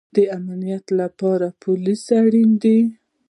د امنیت لپاره پولیس اړین دی